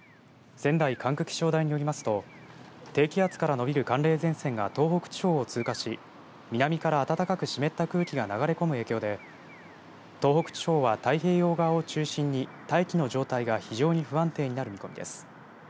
仙台管区気象台によりますと低気圧からのびる寒冷前線が東北地方を通過し南から暖かく湿った空気が流れ込む影響で東北地方は、太平洋側を中心に大気の状態が非常に不安定になる見込みです。